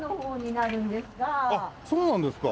あっそうなんですか。